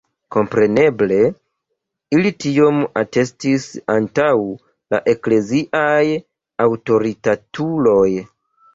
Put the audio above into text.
Kompreneble, ili tion atestis antaŭ la ekleziaj aŭtoritatuloj.